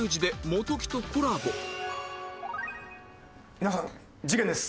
皆さん事件です！